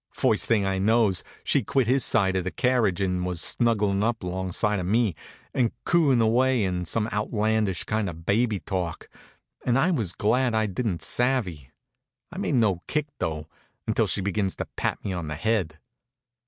First thing I knows she'd quit his side of the carriage and was snugglin' up alongside of me, and cooin' away in some outlandish kind of baby talk that I was glad I didn't savvy. I made no kick though, until she begins to pat me on the head.